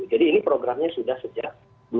jadi ini programnya sudah sejak dua ribu tujuh